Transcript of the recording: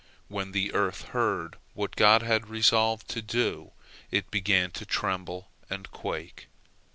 When the earth heard what God had resolved to do, it began to tremble and quake.